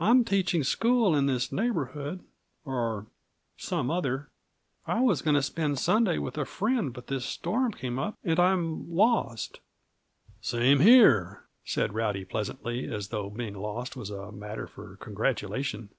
I'm teaching school in this neighborhood or in some other. I was going to spend Sunday with a friend, but this storm came up, and I'm lost." "Same here," said Rowdy pleasantly, as though being lost was a matter for congratulation.